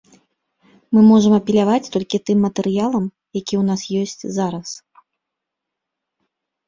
Мы можам апеляваць толькі тым матэрыялам, які ў нас ёсць зараз.